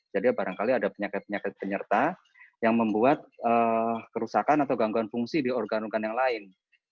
jadi barangkali ada penyakit penyakit penyerta yang membuat kerusakan atau gangguan fungsi di organ organ yang lain